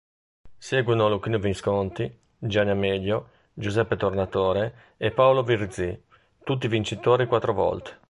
Seguono Luchino Visconti, Gianni Amelio, Giuseppe Tornatore e Paolo Virzì, tutti vincitori quattro volte.